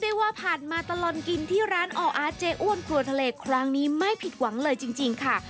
คือว่าผัดมาตลอนกินที่ร้านอ๋ออาเจอ่วนปลูกรั้งนี้ไม่ผิดหวังเลยจริงจริงค่ะ